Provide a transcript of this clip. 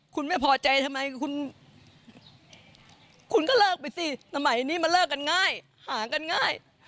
คุณไม่พอใจทำไมคุณก็เลิกไปสิสมัยนี้มันเลิกกันง่ายหากันง่าย